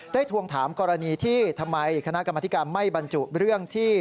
ทวงถามกรณีที่ทำไมคณะกรรมธิการไม่บรรจุเรื่องที่